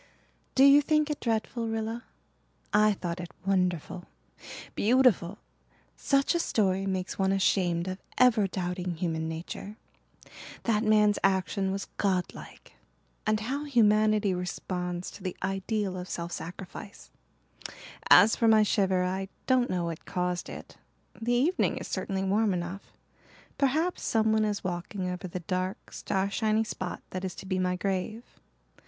"Do you think it dreadful, Rilla? I thought it wonderful beautiful. Such a story makes one ashamed of ever doubting human nature. That man's action was godlike. And how humanity responds to the ideal of self sacrifice. As for my shiver, I don't know what caused it. The evening is certainly warm enough. Perhaps someone is walking over the dark, starshiny spot that is to be my grave.